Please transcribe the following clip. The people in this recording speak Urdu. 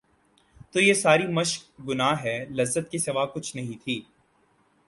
تو یہ ساری مشق گناہ بے لذت کے سوا کچھ نہیں تھی۔